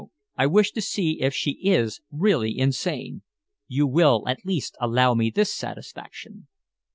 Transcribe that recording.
I wish to see if she is really insane. You will at least allow me this satisfaction."